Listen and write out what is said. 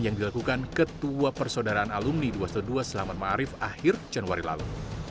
yang dilakukan ketua bumpers saudaraan alumni dua ratus dua belas selamat marif akhir januari lalu